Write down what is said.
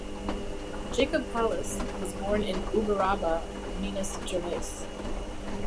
Jacob Palis was born in Uberaba, Minas Gerais.